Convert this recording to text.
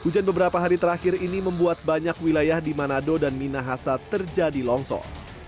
hujan beberapa hari terakhir ini membuat banyak wilayah di manado dan minahasa terjadi longsor